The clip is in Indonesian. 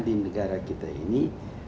di negara kita ini